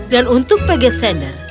dan untuk pegasender